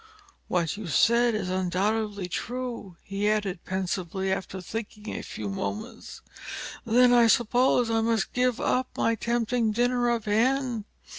What you say is undoubtedly true," he added pensively, after thinking a few moments. "Then I suppose I must give up my tempting dinner of Hen.